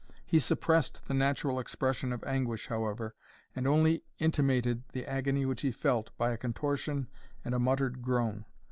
He suppressed the natural expression of anguish, however, and only intimated the agony which he felt by a contortion and a muttered groan.